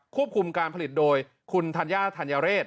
คุมการผลิตโดยคุณธัญญาธัญเรศ